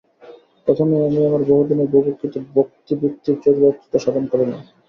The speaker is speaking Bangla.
প্রথমেই আমি আমার বহুদিনের বুভুক্ষিত ভক্তিবৃত্তির চরিতার্থতা সাধন করিলাম।